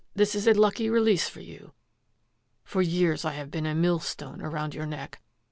This is a lucky release for you. For years I have been a millstone around your neck.